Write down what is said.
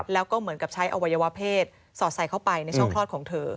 แล้วก็เหมือนกับใช้อวัยวะเพศสอดใส่เข้าไปในช่องคลอดของเธอ